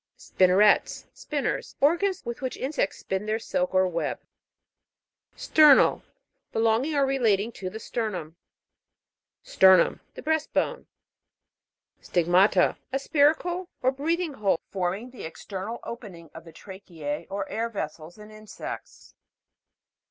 SPIN'NERETS. Spinners. Organs with which insects spin their silk or web. STER'NAL. Belonging or relating to the sternum. STER'NUM. The breast bone. STIG'MATA. A spiracle or breathing. hole, forming the external opening of the tracheae or air vessels, in insects.